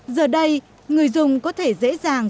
giờ đây người dùng có thể dễ dàng